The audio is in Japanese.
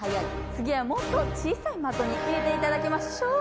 つぎはもっと小さいまとに入れていただきましょう。